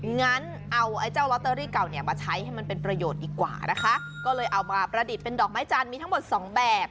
งั้นเอาไอ้เจ้าลอตเตอรี่เก่าเนี่ยมาใช้ให้มันเป็นประโยชน์ดีกว่านะคะก็เลยเอามาประดิษฐ์เป็นดอกไม้จันทร์มีทั้งหมดสองแบบ